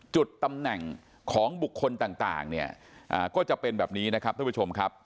จุดตำแหน่งของบุคคลต่างเนี่ยก็จะเป็นแบบนี้นะครับท่านผู้ชมครับ